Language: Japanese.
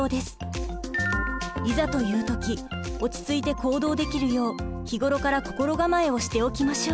いざという時落ち着いて行動できるよう日頃から心構えをしておきましょう。